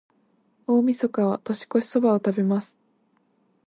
大晦日は、年越しそばを食べます。